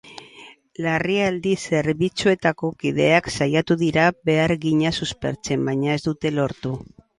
Larrialdi zerbitzuetako kideak saiatu dira behargina suspertzen, baina ez dute lortu.